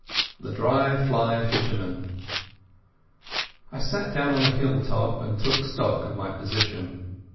The Dry Fly Fisherman I sat down on a hill top and took stock of my position.